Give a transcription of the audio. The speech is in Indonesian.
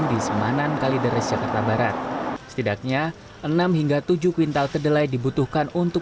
di semanan kalideres jakarta barat setidaknya enam hingga tujuh kwintal kedelai dibutuhkan untuk